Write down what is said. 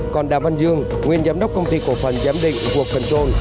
còn đàm văn dương nguyên giám đốc công ty cổ phần giám định vụ control